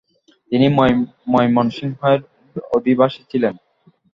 তিনি ময়মনসিংহ এর অধিবাসী ছিলেন ।